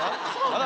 あら。